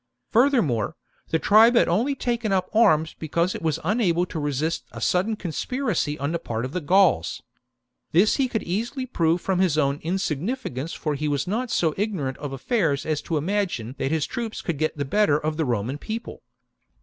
Furthermore, the tribe had only taken up arms because it was unable to resist a sudden conspiracy on the part of the Gauls. This he could easily prove from his own insignificance ; for he was not so ignorant of affairs as to imagine that his troops could get the better of the Roman People.